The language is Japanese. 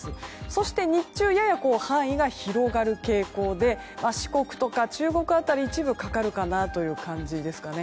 そして、日中やや範囲が広がる傾向で四国とか中国辺りの一部にかかるかなという感じですかね。